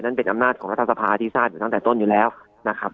เป็นอำนาจของรัฐสภาที่ทราบอยู่ตั้งแต่ต้นอยู่แล้วนะครับ